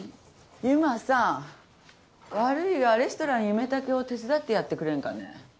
由真さん悪いがレストラン夢竹を手伝ってやってくれんかね？